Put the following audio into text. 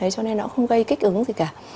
cho nên nó không gây kích ứng gì cả